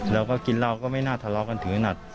แล้วก็กินเหล้าก็ไม่น่าทะเลาะกันถึงขนาด